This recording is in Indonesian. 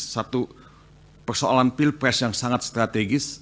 satu persoalan pilpres yang sangat strategis